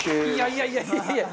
いやいやいやいや！